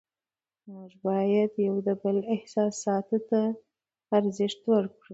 موږ باید د یو بل احساساتو ته ارزښت ورکړو